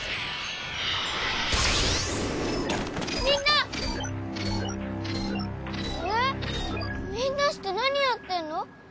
みんなして何やってんの？